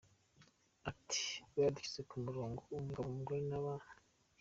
Ati “Badushyize ku murongo, umugabo, umugore n’abana.